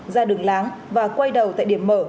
ra đường láng và quay đầu tại điểm mở